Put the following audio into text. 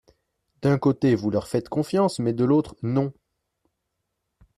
D’un côté, vous leur faites confiance mais, de l’autre, non.